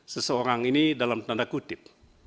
seseorang ini dalam tanda kutip